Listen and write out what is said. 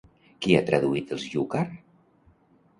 Qui ha traduït els Yukar?